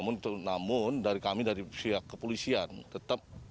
namun dari kami dari siap kepolisian tetap menjaga